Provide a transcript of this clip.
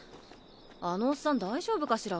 あのおっさん大丈夫かしら？